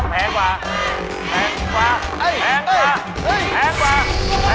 แพงกว่าต้องแพงกว่า